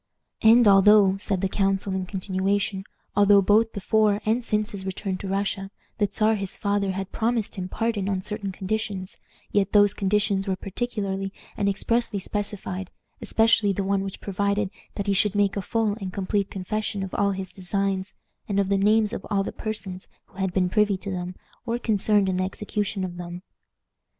"And although," said the council, in continuation, "although, both before and since his return to Russia, the Czar his father had promised him pardon on certain conditions, yet those conditions were particularly and expressly specified, especially the one which provided that he should make a full and complete confession of all his designs, and of the names of all the persons who had been privy to them or concerned in the execution of them.